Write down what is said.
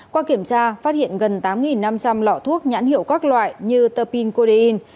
qua kiểm tra phát hiện gần tám năm trăm linh lọ thuốc nhãn hiệu các loại như terpin codein